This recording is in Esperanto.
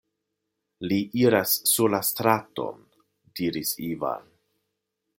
Li iras sur la straton, diris Ivan.